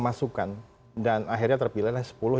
masukan dan akhirnya terpilih